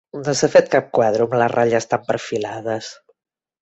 No s'ha fet cap quadro amb les ratlles tan perfilades